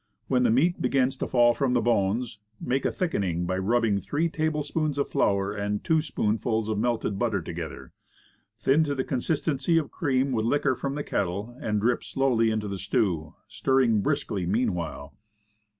When the meat begins to fall from the bones, make a thickening by rubbing three tablespoonfuls of flour and two spoonfuls of melted butter together; thin to the consistence of cream with liquor from the kettle, and drip slowly into the stew, stirring briskly mean while.